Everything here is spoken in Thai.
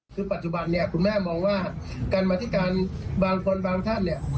คือปัจจุบันเนี่ยคุณแม่มองว่าการมาธิการบางคนบางท่านเนี่ย